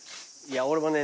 俺もね